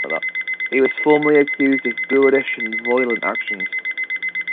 He was formally accused of boorish and violent actions.